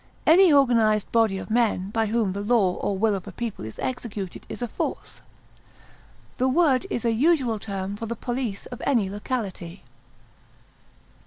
Any organized body of men by whom the law or will of a people is executed is a force; the word is a usual term for the police of any locality.